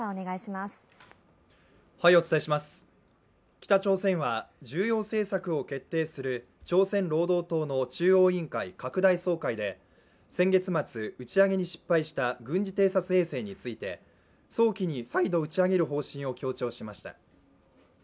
北朝鮮は重要政策を決定する朝鮮労働党の中央委員会拡大総会で、先月末、打ち上げに失敗した軍事偵察衛星について早期に再度打ち上げる方針を強調しました。